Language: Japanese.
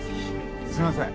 すいません。